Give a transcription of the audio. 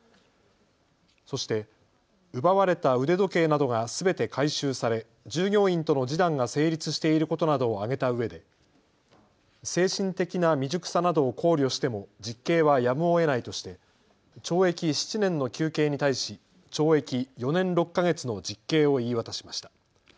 そして奪われた腕時計などがすべて回収され従業員との示談が成立していることなどを挙げたうえで精神的な未熟さなどを考慮しても実刑はやむをえないとして懲役７年の求刑に対し懲役４年６か月の実刑を言い渡しました。